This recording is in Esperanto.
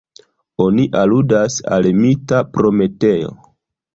Oni aludas al mita Prometeo.